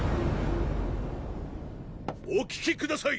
お聞きください！